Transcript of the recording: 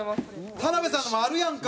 田辺さんのもあるやんか！